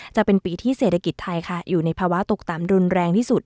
จะเป็นปีที่เศรษฐกิจไทยค่ะอยู่ในภาวะตกต่ำรุนแรงที่สุด